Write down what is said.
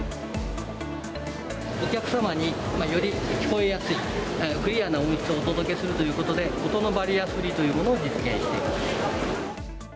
お客様により聞こえやすいクリアな音質をお届けするということで、音のバリアフリーというものを実現しています。